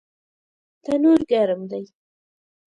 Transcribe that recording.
تنور ګرم دی